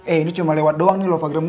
eh ini cuma lewat doang nih slofagram gue